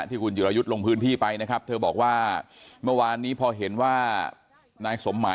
ที่คุณจิรายุทธ์ลงพื้นที่ไปนะครับเธอบอกว่าเมื่อวานนี้พอเห็นว่านายสมหมาย